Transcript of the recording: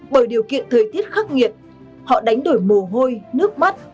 bởi điều kiện thời tiết khắc nghiệt họ đánh đổi mồ hôi nước mắt